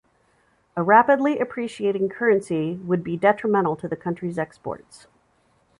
A rapidly appreciating currency would be detrimental to the country's exports.